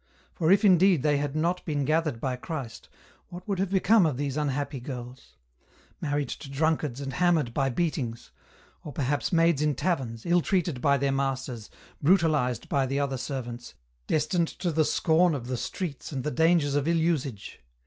for if indeed they had not been gathered by Christ, what would have become of these unhappy girls ? Married to drunkards and hammered by beatings ; or perhaps maids in taverns, ill treated by their masters, brutalized by the other servants, destined *"o the scorn of the streets and the dangers of ill usage.